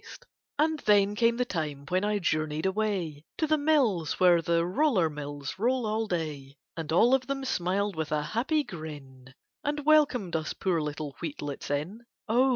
And then came the time when I journeyed away To the mills where the "Roller Mills" roll all day, And all of them smiled with a happy grin And welcomed us poor little wheatlets in; Oh!